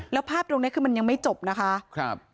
แล้วภาพตรงนี้คือมันยังไม่จบนะคะ